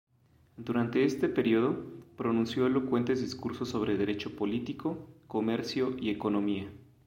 Durante este período, pronunció elocuentes discursos sobre derecho político, comercio y economía.